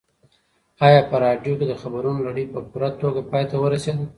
ایا په راډیو کې د خبرونو لړۍ په پوره توګه پای ته ورسېده؟